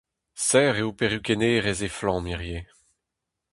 Serr eo perukennerezh Eflamm hiziv.